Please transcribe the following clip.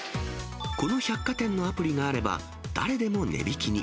この百貨店のアプリがあれば、誰でも値引きに。